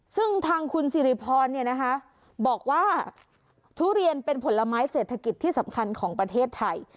ซึ่งทางคุณสิริพรบอกว่าทุเรียนเป็นผลไม้เศรษฐกิจที่สำคัญของประเทศไทย